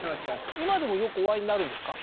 今でもよくお会いになるんですか？